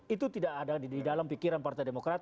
itu tidak ada di dalam pikiran partai demokrat